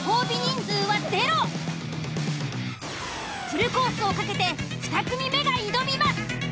フルコースを懸けて２組目が挑みます。